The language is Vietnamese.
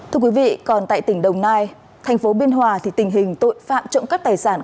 thưa quý vị còn tại tỉnh đồng nai thành phố biên hòa thì tình hình tội phạm trộm cắp tài sản